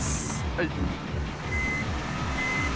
はい。